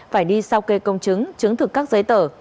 phải đi sau kê công chứng chứng thực các giấy tờ